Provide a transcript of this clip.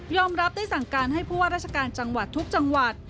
รับได้สั่งการให้ผู้ว่าราชการจังหวัดทุกจังหวัด